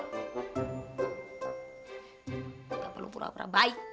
tidak perlu pura pura baik